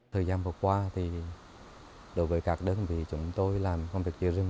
thời gian vừa qua đối với các đơn vị chúng tôi làm công việc chữa rừng